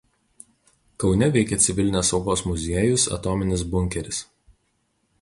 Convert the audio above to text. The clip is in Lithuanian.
Kaune veikia civilinės saugos muziejus „Atominis bunkeris“.